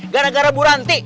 gara gara bu ranti